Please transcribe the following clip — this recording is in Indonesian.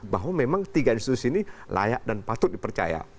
bahwa memang tiga institusi ini layak dan patut dipercaya